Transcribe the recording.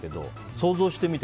想像してみて。